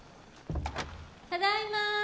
ただいま！